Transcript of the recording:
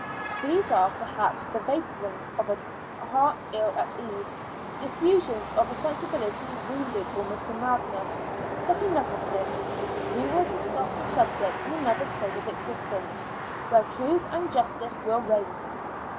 These are, perhaps, the vapourings of a heart ill at ease the effusions of a sensibility wounded almost to madness. But enough of this; we will discuss the subject in another state of existence, where truth and justice will reign.